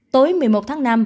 tối một mươi một tháng năm